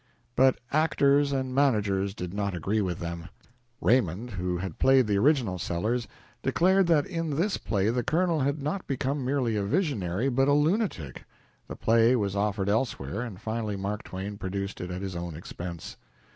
But actors and managers did not agree with them. Raymond, who had played the original Sellers, declared that in this play the Colonel had not become merely a visionary, but a lunatic. The play was offered elsewhere, and finally Mark Twain produced it at his own expense.